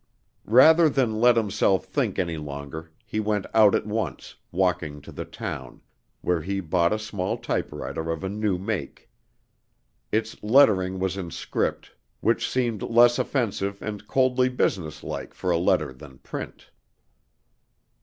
Rather than let himself think any longer, he went out at once, walking to the town, where he bought a small typewriter of a new make. Its lettering was in script, which seemed less offensive and coldly businesslike for a letter than print.